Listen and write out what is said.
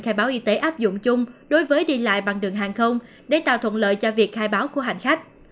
khai báo y tế áp dụng chung đối với đi lại bằng đường hàng không để tạo thuận lợi cho việc khai báo của hành khách